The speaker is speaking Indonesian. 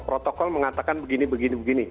protokol mengatakan begini begini